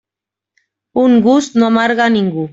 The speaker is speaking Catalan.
Un gust no amarga a ningú.